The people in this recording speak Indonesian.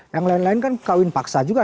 yang lain lain kan kawin paksa juga